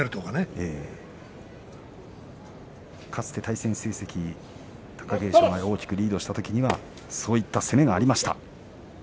かつて対戦成績は貴景勝が大きくリードしていた時にはそういった攻めがありました。